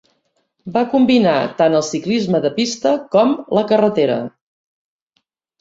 Va combinar tant el ciclisme en pista com la carretera.